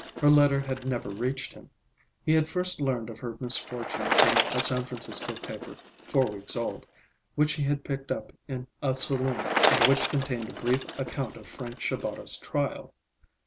Her letter had never reached him. He had first learned of her misfortune from a San Francisco paper, four weeks old, which he had picked up in a saloon, and which contained a brief account of Frank Shabata's trial.